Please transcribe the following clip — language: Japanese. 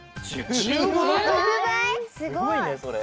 すごいねそれ。